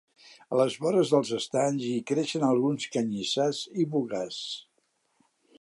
A les vores dels estanys hi creixen alguns canyissars i bogars.